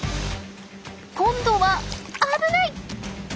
今度は危ない！